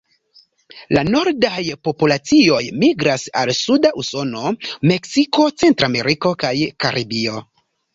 La nordaj populacioj migras al suda Usono, Meksiko, Centrameriko kaj Karibio.